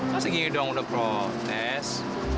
masa gini dong udah protes